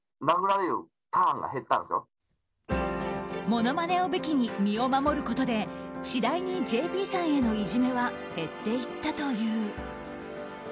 ものまねを武器に身を守ることで次第にＪＰさんへのいじめは減っていったという。